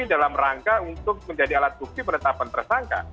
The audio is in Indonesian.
dalam rangka untuk menjadi alat bukti penetapan tersangka